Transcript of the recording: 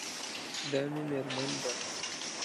دا مې میرمن ده